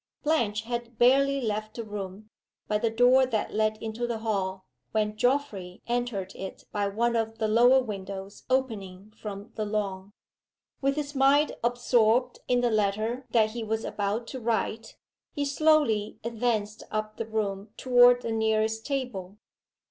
Blanche had barely left the room, by the door that led into the hall, when Geoffrey entered it by one of the lower windows opening from the lawn. With his mind absorbed in the letter that he was about to write, he slowly advanced up the room toward the nearest table.